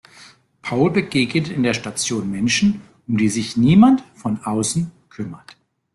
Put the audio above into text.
Paul begegnet in der Station Menschen, um die sich niemand von außen kümmert.